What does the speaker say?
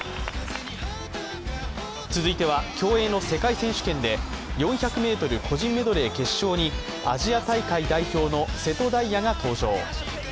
続いては競泳の世界選手権で４００ｍ個人メドレー決勝にアジア大会代表の瀬戸大也が登場。